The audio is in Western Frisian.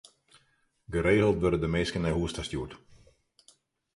Geregeld wurde der minsken nei hûs ta stjoerd.